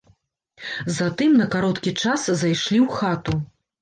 Затым на кароткі час зайшлі ў хату.